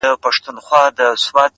بُت سازېده او د مسجد ملا سلگۍ وهلې!